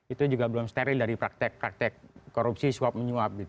itu juga belum steril dari praktek praktek korupsi suap menyuap